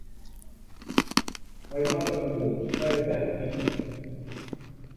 Wy hawwe in hûs by it wetter hierd.